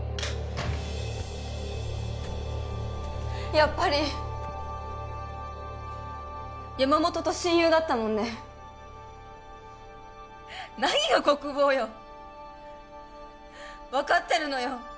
やっぱり山本と親友だったもんね何が国防よ分かってるのよ